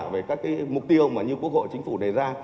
về các cái mục tiêu mà như quốc hội chính phủ đề ra